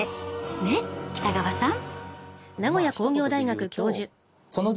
ねっ北川さん。